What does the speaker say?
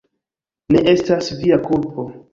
Ne estas via kulpo.